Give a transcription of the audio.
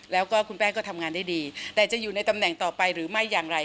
แล้วก็คุณแป้งก็ทำงานได้ดีแต่จะอยู่ในตำแหน่งต่อไปหรือไม่อย่างไร